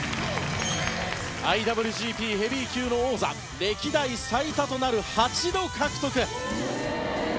ＩＷＧＰヘビー級の王座歴代最多となる８度獲得。